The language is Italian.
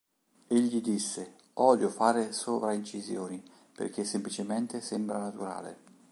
Egli disse: "Odio fare sovraincisioni, perché semplicemente sembra naturale...